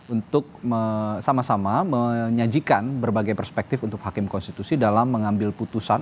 untuk sama sama menyajikan berbagai perspektif untuk hakim konstitusi dalam mengambil putusan